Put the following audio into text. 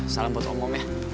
salam buat om om ya